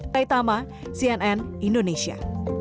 rai tama cnn indonesia